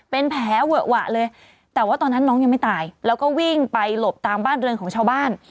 เป็นแผลเวอะหวะเลยแต่ว่าตอนนั้นน้องยังไม่ตายแล้วก็วิ่งไปหลบตามบ้านเรือนของชาวบ้าน